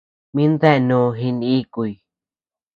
Mi ndenó jinikuy.